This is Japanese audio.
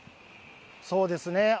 そうですね。